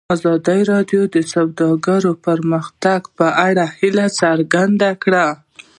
ازادي راډیو د سوداګري د پرمختګ په اړه هیله څرګنده کړې.